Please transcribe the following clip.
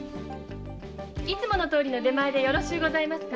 いつもどおりの出前でよろしゅうございますか？